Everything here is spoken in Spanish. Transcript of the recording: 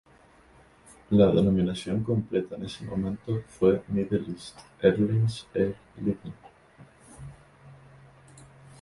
La denominación completa en ese momento fue Middle East Airlines Air Liban.